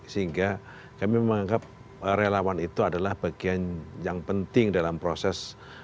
sehingga kami menganggap relawan itu adalah bagian yang penting dalam proses